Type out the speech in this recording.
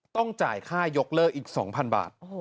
ต้องจ่ายค่ายกเลิกอีก๒๐๐บาท